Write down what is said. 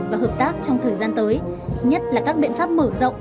và hợp tác trong thời gian tới nhất là các biện pháp mở rộng